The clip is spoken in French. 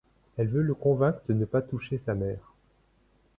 Elle veut le convaincre de ne pas toucher sa mère.